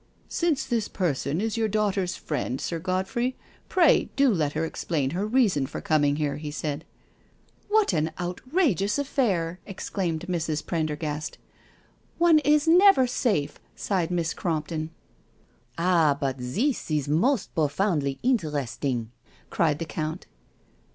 " Since this person is your daughter's friend. Sir Godfrey, pray, do let hec explain her reason for. coming here," he said. " What an outrageous affair I" exclaimed Mrs. Pren dergast. "One is never safe I" sighed Miss Crompton. " Ah, but this is most profoundly interesting," cried the Count.